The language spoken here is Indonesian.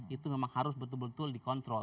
itu memang harus betul betul dikontrol